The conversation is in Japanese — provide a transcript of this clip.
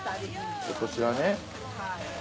こちらね。